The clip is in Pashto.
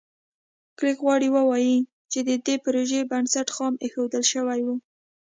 کلېک غواړي ووایي چې د دې پروژې بنسټ خام ایښودل شوی و.